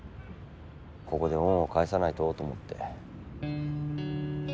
ここで恩を返さないとと思って。